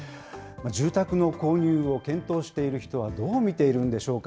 住宅の購入を検討している人はどう見ているんでしょうか。